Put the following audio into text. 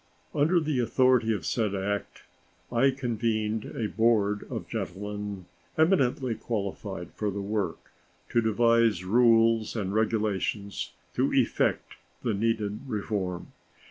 Under the authority of said act I convened a board of gentlemen eminently qualified for the work to devise rules and regulations to effect the needed reform.